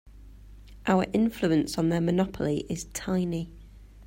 Our influence on their monopoly is tiny.